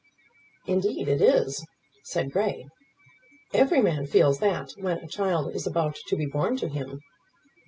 "Indeed, it is," said Grey. "Every man feels that when a child is about to be born to him."